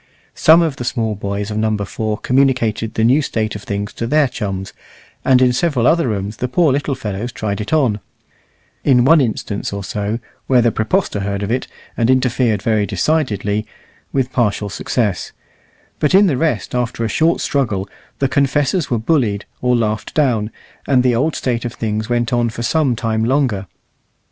Some of the small boys of Number 4 communicated the new state of things to their chums, and in several other rooms the poor little fellows tried it on in one instance or so, where the praepostor heard of it and interfered very decidedly, with partial success; but in the rest, after a short struggle, the confessors were bullied or laughed down, and the old state of things went on for some time longer.